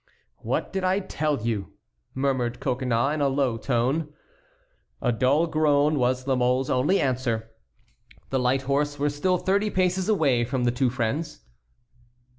"What did I tell you?" murmured Coconnas, in a low tone. A dull groan was La Mole's only answer. The light horse were still thirty paces away from the two friends.